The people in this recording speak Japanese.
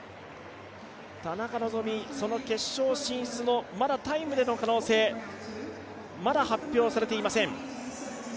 田中希実、その決勝進出もタイムでの可能性、まだ発表されていません。